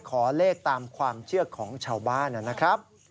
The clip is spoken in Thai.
ขอเลขตามความเชื่อของชาวบ้านนะครับ